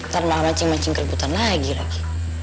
ternyata cing macing keributan lagi lagi